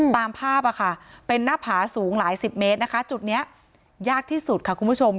ตามภาพเป็นหน้าผาสูงหลายสิบเมตรนะคะจุดนี้ยากที่สุดค่ะคุณผู้ชม